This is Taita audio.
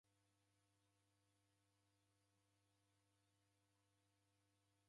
W'eke mao w'aenda funga mifugho